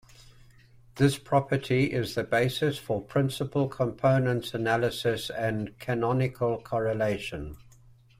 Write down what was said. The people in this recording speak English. This property is the basis for principal components analysis and canonical correlation.